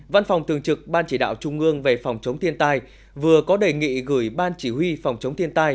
văn phòng thường trực ban chỉ đạo trung ương về phòng chống thiên tai vừa có đề nghị gửi ban chỉ huy phòng chống thiên tai